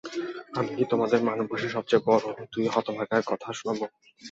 আমি কি তোমাকে মানব গোষ্ঠীর সবচেয়ে বড় দুই হতভাগার কথা শুনাব?